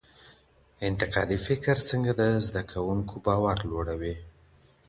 انتقادي فکر څنګه د زده کوونکو باور لوړوي؟